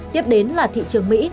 tiếp đến là thị trường mỹ